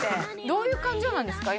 どういう感情なんですか？